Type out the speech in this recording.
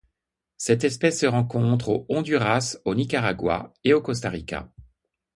Cette espèce se rencontre au Honduras, au Nicaragua et au Costa Rica.